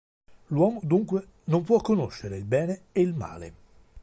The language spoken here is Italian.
L'uomo dunque non può conoscere il bene e il male.